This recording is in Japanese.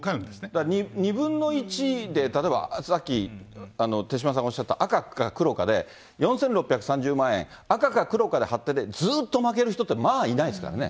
だから２分の１で、例えばさっき手嶋さんがおっしゃった、赤か黒かで、４６３０万円、赤か黒かではってて、ずっと負ける人ってまあいないですからね。